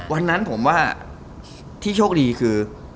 วันนั้นผมว่าที่โชคดีคือ